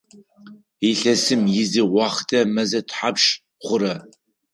Илъэсым изы уахътэ мэзэ тхьапш хъура?